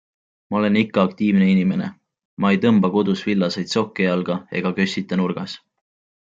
Ma olen ikka aktiivne inimene, ma ei tõmba kodus villaseid sokke jalga ega kössita nurgas.